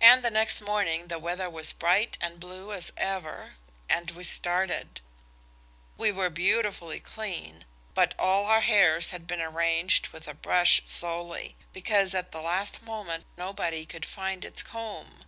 And next morning the weather was bright and blue as ever, and we started. We were beautifully clean, but all our hairs had been arranged with a brush solely, because at the last moment nobody could find its comb.